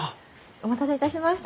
お待たせいたしました。